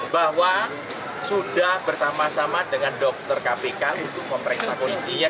bahwa sudah bersama sama dengan dokter kpk untuk memeriksa kondisinya